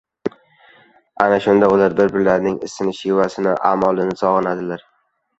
Ana shunda ular bir-birlarining isini, shevasini, a’molini sog‘inadilar.